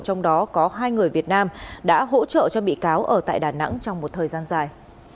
trong đó có hai người việt nam đã hỗ trợ cho bị cáo ở tại đà nẵng trong một thời gian dài